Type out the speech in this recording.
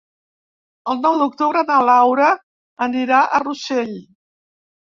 El nou d'octubre na Laura anirà a Rossell.